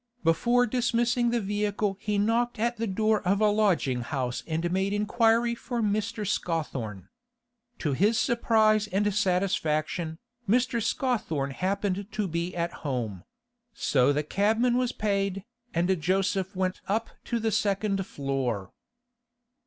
Before dismissing the vehicle he knocked at the door of a lodging house and made inquiry for Mr. Scawthorne. To his surprise and satisfaction, Mr. Scawthorne happened to be at home; so the cabman was paid, and Joseph went up to the second floor.